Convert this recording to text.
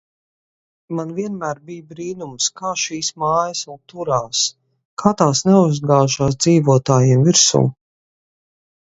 Man vienmēr bija brīnums, kā šīs mājas vēl turās, kā tās neuzgāžās dzīvotājiem virsū.